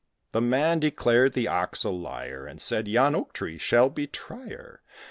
The Man declared the Ox a liar, And said, "Yon Oak tree shall be trier."